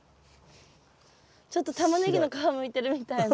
ちょっとタマネギの皮むいてるみたいな。